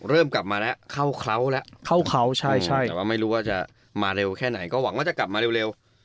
เริ่มกลับมาแล้วเข้าเขาแล้วเข้าเขาใช่แต่ว่าไม่รู้ว่าจะมาเร็วแค่ไหนก็หวังว่าจะกลับมาเร็ว